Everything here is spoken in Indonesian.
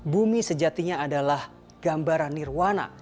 bumi sejatinya adalah gambaran nirwana